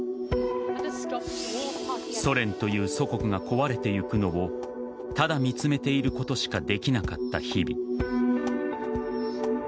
ソ連という祖国が壊れてゆくのをただ見つめていることしかできなかった日々。